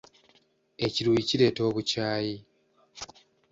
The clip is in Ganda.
Ekiruyi kireeta obukyaayi.